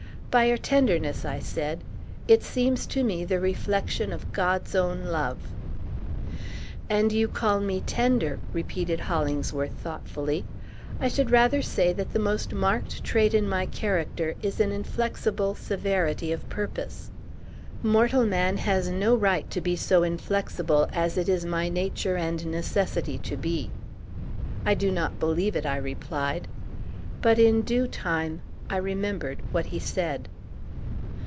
"By your tenderness," I said. "It seems to me the reflection of God's own love." "And you call me tender!" repeated Hollingsworth thoughtfully. "I should rather say that the most marked trait in my character is an inflexible severity of purpose. Mortal man has no right to be so inflexible as it is my nature and necessity to be." "I do not believe it," I replied. But, in due time, I remembered what he said.